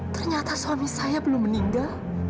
ternyata suami saya belum meninggal